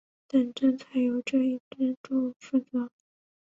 等政策由这一支柱负责。